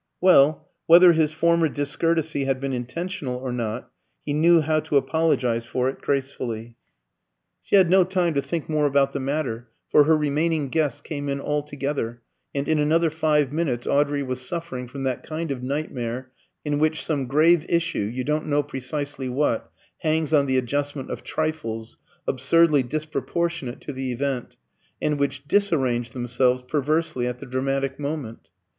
Well, whether his former discourtesy had been intentional or not, he knew how to apologise for it gracefully. She had no time to think more about the matter, for her remaining guests came in all together; and in another five minutes Audrey was suffering from that kind of nightmare in which some grave issue you don't know precisely what hangs on the adjustment of trifles, absurdly disproportionate to the event, and which disarrange themselves perversely at the dramatic moment.